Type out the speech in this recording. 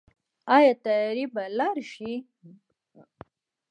آیا تیارې به لاړې شي؟